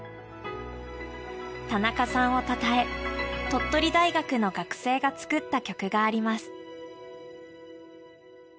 田中さんをたたえ鳥取大学の学生が作った曲があります。